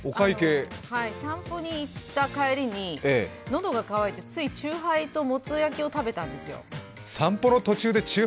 散歩に行った帰りにのどが渇いて、ついチューハイともつ焼きを食べたんですよ。